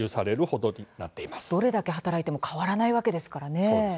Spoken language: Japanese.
どれだけ働いても変わらないわけですからね。